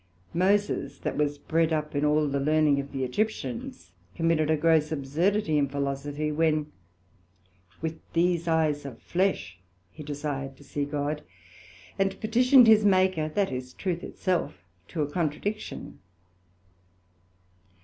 Moses that was bred up in all the learning of the Egyptians, committed a gross absurdity in Philosophy, when with these eyes of flesh he desired to see God, and petitioned his Maker, that is, truth it self, to a contradiction.